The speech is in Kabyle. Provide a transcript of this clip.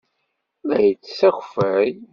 La yettess akeffay.